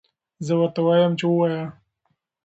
زه ورته وایم چې ووایه.